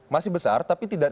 masih besar tapi tidak